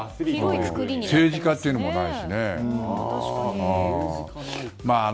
政治家っていうのもないしね。